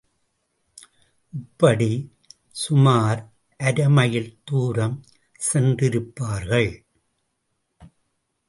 இப்படி சுமார் அரை மைல் தூரம் சென்றிருப்பார்கள்.